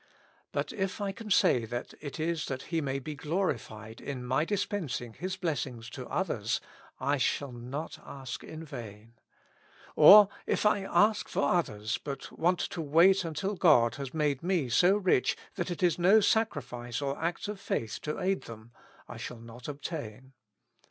But if I can say that it is that He may be glorified in my dis pensing His blessings to others, I shall not ask in vain. Or if I ask for others, but want to wait until God has made me so rich that it is no sacrifice or 66 With Christ in the School of Prayer, act of faith to aid them, I shall not obtain.